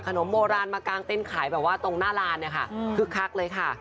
ขนมโบราณมากางเต้นขายแบบว่าตรงหน้าร้านคือคักเลยค่ะ